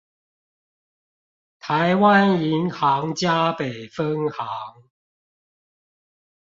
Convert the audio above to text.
臺灣銀行嘉北分行